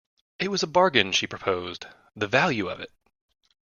It was a bargain she proposed — the value of it!